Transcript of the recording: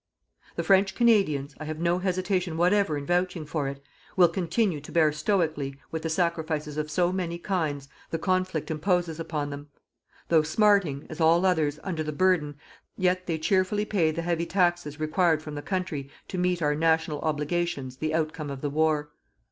The French Canadians I have no hesitation whatever in vouching for it will continue to bear stoically with the sacrifices of so many kinds the conflict imposes upon them. Though smarting, as all others, under the burden, yet they cheerfully pay the heavy taxes required from the country to meet our national obligations the outcome of the war.